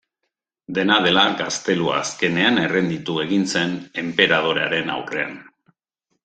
Dena dela gaztelua azkenean errenditu egin zen enperadorearen aurrean.